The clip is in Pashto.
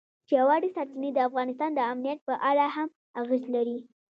ژورې سرچینې د افغانستان د امنیت په اړه هم اغېز لري.